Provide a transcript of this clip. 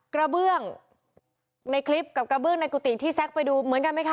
กระเบื้องในคลิปกับกระเบื้องในกุฏิที่แซ็กไปดูเหมือนกันไหมคะ